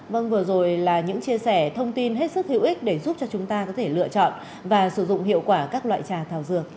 vâng vừa rồi là những chia sẻ thông tin hết sức hữu ích để giúp cho chúng ta có thể lựa chọn và sử dụng hiệu quả các loại trà thảo dược